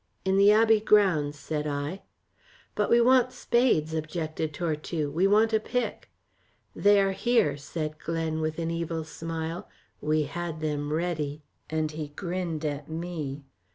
"In the Abbey Grounds," said I. "But we want spades," objected Tortue, "we want a pick." "They are here," said Glen, with an evil smile, "we had them ready," and he grinned at me.